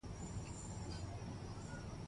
هغه پرېکړې چې عادلانه وي د مخالفت کچه راکموي